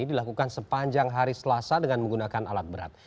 dilakukan sepanjang hari selasa dengan menggunakan alat berat